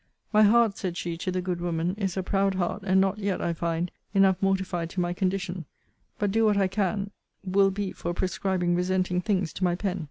'My heart, said she to the good woman, is a proud heart, and not yet, I find, enough mortified to my condition; but, do what I can, will be for prescribing resenting things to my pen.'